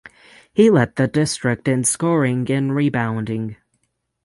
He led the district in scoring and rebounding.